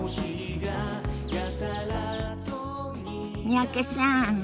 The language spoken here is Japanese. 三宅さん